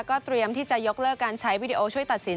เตรียมที่จะยกเลิกการใช้วิดีโอช่วยตัดสิน